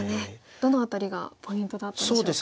どの辺りがポイントだったでしょうか？